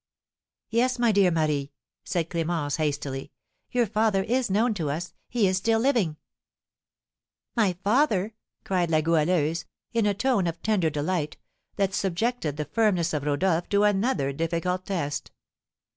"Yes, my dear Marie," said Clémence, hastily, "your father is known to us he is still living." "My father!" cried La Goualeuse, in a tone of tender delight, that subjected the firmness of Rodolph to another difficult test.